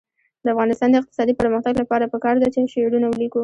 د افغانستان د اقتصادي پرمختګ لپاره پکار ده چې شعرونه ولیکو.